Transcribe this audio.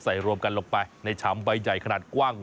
รวมกันลงไปในฉามใบใหญ่ขนาดกว้าง